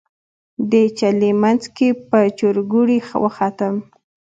د چلې منځ کې په چورګوړي وختم.